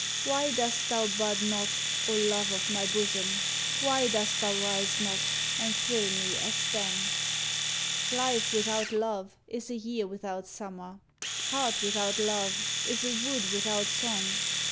Why dost thou bud not, O Love of my bosom? Why dost thou rise not, and thrill me as then? Life without love, is a year without Summer, Heart without love, is a wood without song.